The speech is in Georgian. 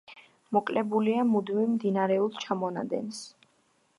მოკლებულია მუდმივ მდინარეულ ჩამონადენს.